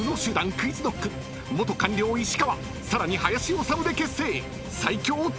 ＱｕｉｚＫｎｏｃｋ元官僚石川さらに林修で結成］